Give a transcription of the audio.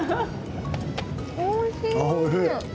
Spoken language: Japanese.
おいしい。